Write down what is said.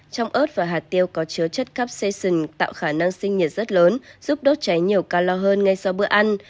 trong ớt và hạt tiêu có chứa chất cap seation tạo khả năng sinh nhiệt rất lớn giúp đốt cháy nhiều ca lo hơn ngay sau bữa ăn